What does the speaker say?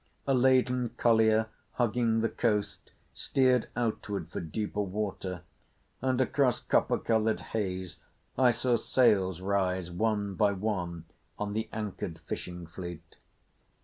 A laden collier hugging the coast steered outward for deeper water and, across copper coloured haze, I saw sails rise one by one on the anchored fishing fleet.